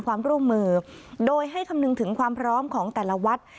ความร่วมมือโดยให้คำนึงถึงความพร้อมของแต่ละวัด